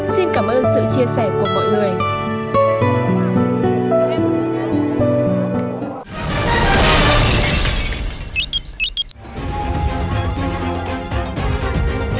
xin cảm ơn sự chia sẻ của mọi người